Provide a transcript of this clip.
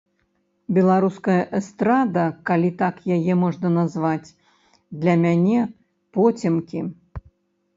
Беларуская эстрада, калі так яе можна назваць, для мяне поцемкі.